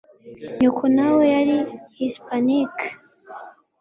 Nyoko nawe yari Hispanic?